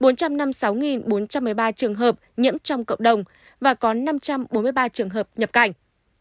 bốn trăm năm mươi sáu bốn trăm một mươi ba trường hợp nhiễm trong cộng đồng và có năm trăm bốn mươi ba trường hợp nhập cảnh